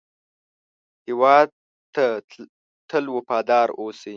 هېواد ته تل وفاداره اوسئ